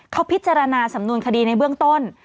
เขาพิจารณาสำนวนคดีในเบื้องต้น